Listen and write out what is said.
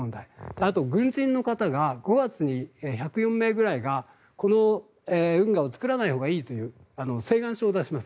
あと、軍人の方が５月に１０４名ぐらいがこの運河を作らないほうがいいという請願書を出します。